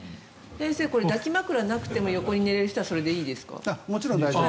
先生、抱き枕なくても横に寝れる人はいいですか？